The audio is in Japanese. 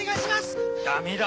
ダメだ！